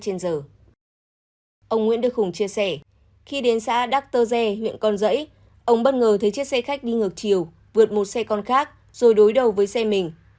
ông nguyễn đức hùng chia sẻ khi đến xã đắc tơ dê huyện con rẫy ông bất ngờ thấy chiếc xe khách đi ngược chiều vượt một xe con khác rồi đối đầu với xe mình